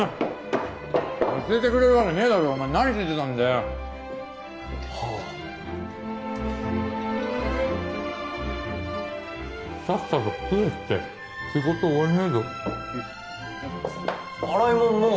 教えてくれるわけねえだろお前何聞いてたんだよッはあさっさと食えって仕事終わんねえぞ洗いもん